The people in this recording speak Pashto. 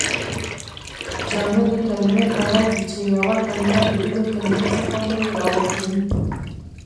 جامدي کلیمې هغه دي، چي یوه کلیمه د بلي کلیمې څخه نه يي راوتلي.